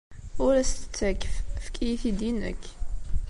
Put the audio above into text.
Ur as-t-ttakf. Efk-iyi-t-id i nekk.